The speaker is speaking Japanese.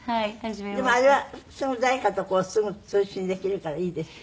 でもあれはすぐ誰かと通信できるからいいですよね。